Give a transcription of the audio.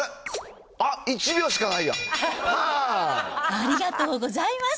ありがとうございます。